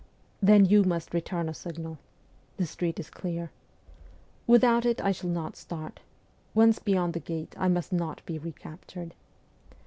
Then you must return a signal :" The street is clear." Without it I shall not start : once beyond the gate I must not be recaptured.